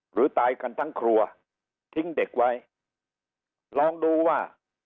หรือตายกันทั้งครัวทิ้งเด็กไว้ลองดูว่า